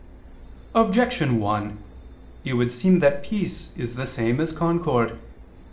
Objection 1: It would seem that peace is the same as concord.